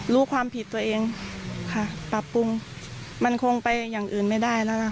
รู้ความผิดตัวเองค่ะปรับปรุงมันคงไปอย่างอื่นไม่ได้แล้วนะ